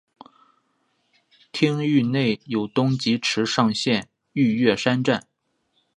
町域内有东急池上线御岳山站。